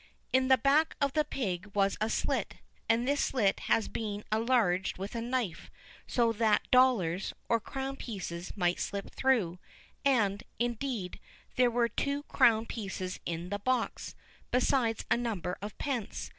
In the back of the pig was a slit, and this slit had been enlarged with a knife, so that dollars, or crown pieces, might slip through; and, indeed, there were two crown pieces in the box, besides a number of pence.